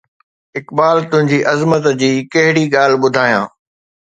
اقبال، تنهنجي عظمت جي ڪهڙي ڳالهه ٻڌايان؟